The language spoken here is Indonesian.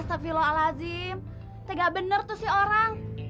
astagfirullahaladzim tega bener tuh si orang